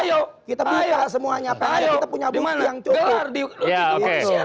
ayo dimana gelar di lojibu